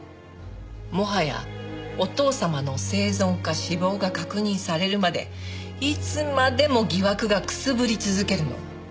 もはやお義父様の生存か死亡が確認されるまでいつまでも疑惑がくすぶり続けるの。